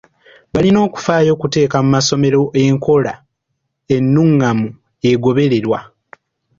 Balina okufaayo okuteeka mu masomero enkola ennungamu egobererwa.